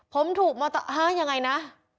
ผมถูกมอเตอร์ไซต์เห้ยยังไงนะ